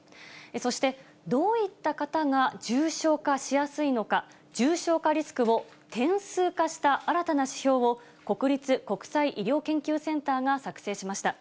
そしてどういった方が重症化しやすいのか、重症化リスクを点数化した新たな指標を、国立国際医療研究センターが作成しました。